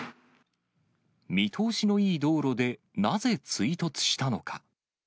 見通しのいい道路でなぜ追突したのか。